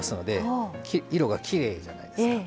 色がきれいじゃないですか。